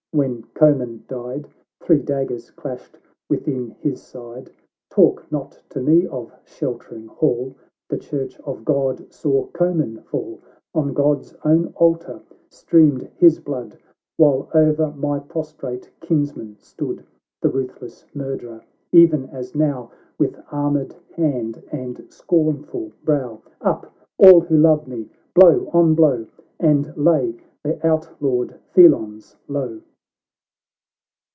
— when Comyn died, Three daggers clashed within his side ! Talk not to me of sheltering hall, The Church of God saw Comyn fall !< >n (iod's own altar streamed his blood, While o'er my prostrate kinsman stood The ruthless murderer — e'en as now — With armed hand and scornful brow. — Up, all who love me ! blow on blow ! And lay the outlawed felons low